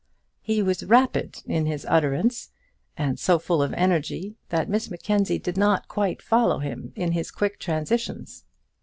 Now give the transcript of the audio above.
He was rapid in his utterance, and so full of energy, that Miss Mackenzie did not quite follow him in his quick transitions.